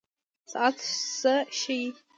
ساعت څه ښيي؟